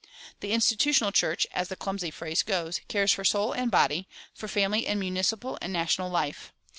"The Institutional Church," as the clumsy phrase goes, cares for soul and body, for family and municipal and national life.